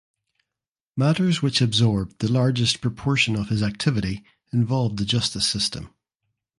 Matters which absorbed the largest proportion of his activity involved the justice system.